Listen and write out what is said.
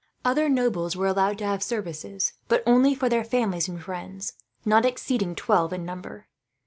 Other nobles were allowed to have services, but only for their families and friends, not exceeding twelve in number.